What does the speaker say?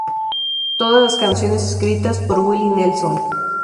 Todas las canciones escritas por Willie Nelson.